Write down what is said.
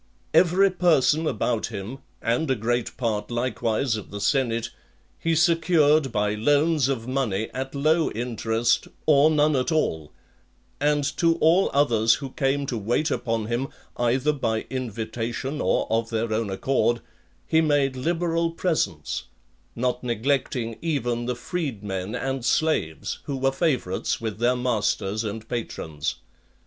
Every person about him, and a great part likewise of the senate, he secured by loans of money at low interest, or none at all; and to all others who came to wait upon him, either by invitation or of their own accord, he made liberal presents; not neglecting even the freed men and slaves, who were favourites with their masters and patrons.